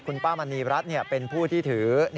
คุณป้ามณีรัฐเป็นผู้ที่ถือ